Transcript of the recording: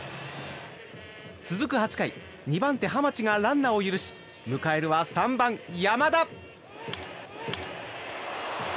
続く８回２番手、浜地がランナーを許し迎えるは３番、山田。